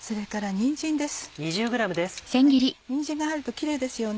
にんじんが入るとキレイですよね。